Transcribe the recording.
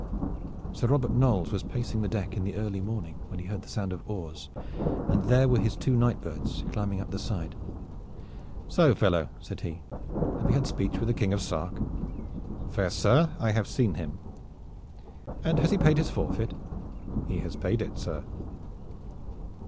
Sir Robert Knolles was pacing the deck in the early morning, when he heard the sound of oars, and there were his two night birds climbing up the side. "So, fellow," said he, "have you had speech with the King of Sark?" "Fair sir, I have seen him." "And he has paid his forfeit?" "He has paid it, sir!"